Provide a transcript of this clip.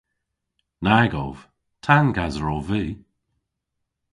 Nag ov. Tangaser ov vy.